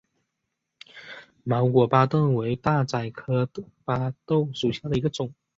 毛果巴豆为大戟科巴豆属下的一个种。